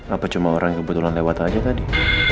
apa cuma orang yang kebetulan lewat aja tadi